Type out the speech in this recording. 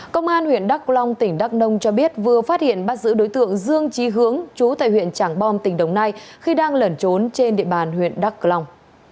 công an huyện đắc long tỉnh đắc đông cho biết vừa phát hiện bắt giữ đối tượng dương trí hướng chú tại huyện trảng bom tỉnh đồng nai khi đang lẩn trốn trên địa bàn huyện đắc long